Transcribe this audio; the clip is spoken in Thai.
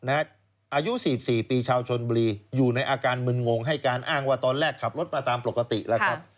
อายุ๔๔ปีชาวชนบุรีอยู่ในอาการมึนงงให้การอ้างว่าตอนแรกขับรถมาตามปกติแล้วครับ